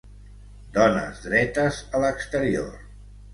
Dones dretes a l'exterior